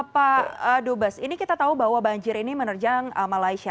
pak dubes ini kita tahu bahwa banjir ini menerjang malaysia